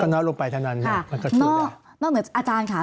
ก็น้อยลงไปทั้งนั้นนะครับมันก็เชื่อได้นอกเหนืออาจารย์ค่ะ